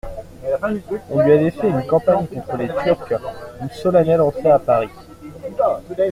On lui avait fait faire une campagne contre les Turcs, une solennelle entrée à Paris.